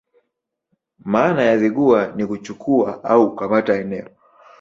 Maana ya Zigua ni kuchukua au kukamata eneo